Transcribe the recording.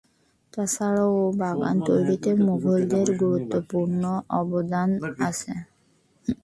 এছাড়াও বাগান তৈরিতে মুঘলদের গুরুত্বপূর্ণ অবদান আছে।